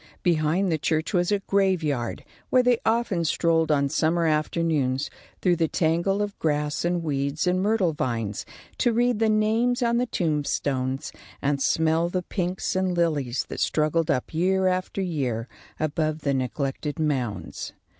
Behind the church was a graveyard, where they often strolled on summer afternoons, through the tangle of grass and weeds and myrtle vines, to read the names on the tombstones and smell the pinks and lilies that struggled up year after year above the neglected mounds.